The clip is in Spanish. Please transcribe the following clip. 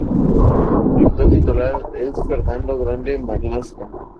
Su actual titular es Fernando Grande-Marlaska.